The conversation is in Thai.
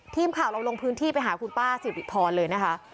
ทีมข่าวเราลงพื้นที่ไปหาคุณป้าสิริพรเลยนะคะ